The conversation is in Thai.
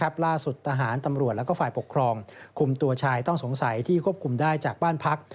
ล่าสุดทหารตำรวจและฝ่ายปกครองคุมตัวชายต้องสงสัยที่ควบคุมได้จากบ้านพัก